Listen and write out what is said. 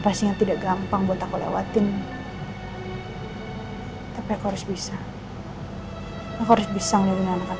pasti yang tidak gampang buat aku lewatin tapi aku harus bisa aku harus bisa menyelamatkan